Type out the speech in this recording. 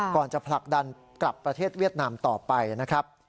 จะผลักดันกลับประเทศเวียดนามต่อไปนะครับ